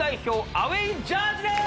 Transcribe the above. アウェイジャージです